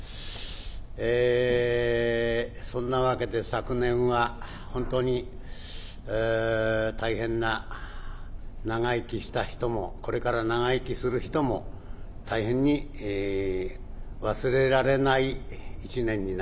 えそんなわけで昨年は本当に大変な長生きした人もこれから長生きする人も大変に忘れられない一年になりましたなぁ。